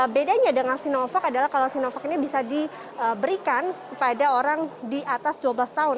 bedanya dengan sinovac adalah kalau sinovac ini bisa diberikan kepada orang di atas dua belas tahun